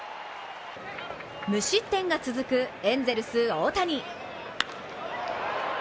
無失点が続くエンゼルス・大谷。